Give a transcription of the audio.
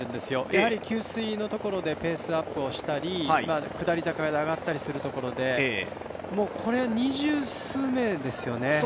やはり給水のところでペースアップをしたり下り坂で上がったりするところで二十数名ですよね。